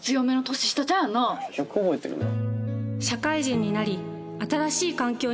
よく覚えてるな。